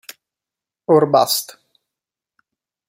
Or Bust".